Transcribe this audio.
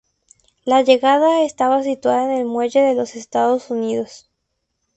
La llegada estaba situada en el Muelle de los Estados Unidos.